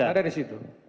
ada di situ